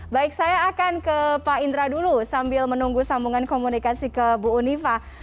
baik saya akan ke pak indra dulu sambil menunggu sambungan komunikasi ke bu unifah